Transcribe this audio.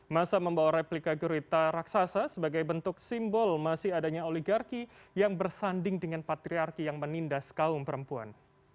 masa membawa replika gurita raksasa sebagai bentuk simbol masih adanya oligarki yang bersanding dengan patriarki yang menindas kaum perempuan